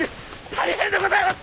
大変でございます！